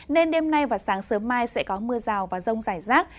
nên đêm nay và sáng sớm mai sẽ có mưa rào và rông rải rác